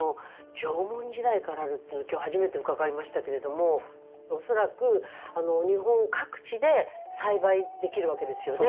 縄文時代からあるっていうのは今日初めて伺いましたけれども恐らく日本各地で栽培できるわけですよね。